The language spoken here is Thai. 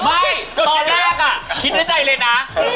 ตอนแรกคิดในใจเลยนะ